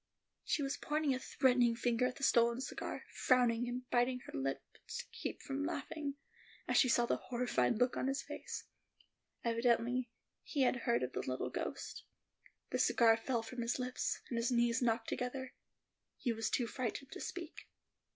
She was pointing a threatening finger at the stolen cigar, frowning and biting her lips to keep from laughing, as she saw the horrified look on his face. Evidently, he had heard of the little ghost; the cigar fell from his lips, and his knees knocked together: he was too frightened to speak.